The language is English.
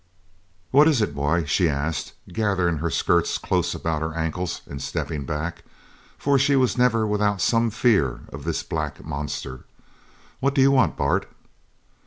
"What is it, boy?" she asked, gathering her skirts close about her ankles and stepping back, for she never was without some fear of this black monster. "What do you want, Bart?"